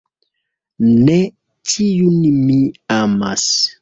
Ne ĉiun mi amas.